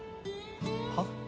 はっ？